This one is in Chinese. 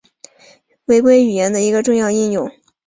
规约语言的一个重要应用是允许创建程序正确性的证明。